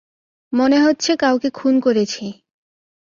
মনে হচ্ছে কাউকে খুন করেছি।